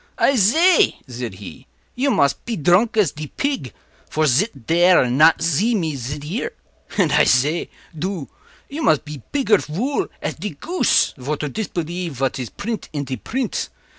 “I zay,” said he, “you mos pe dronk as de pig, vor zit dare and not zee me zit ere; and I zay, doo, you mos pe pigger vool as de goose, vor to dispelief vat iz print in de print.